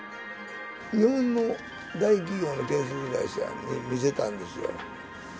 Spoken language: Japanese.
日本の大企業の建設会社に見せたんですよ。